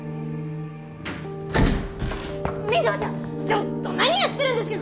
ちょっと何やってるんですか？